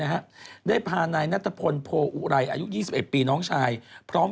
นะฮะได้พานายณธพลโพอุรัยอายุยี่สิบเอ็ดปีน้องชายพร้อม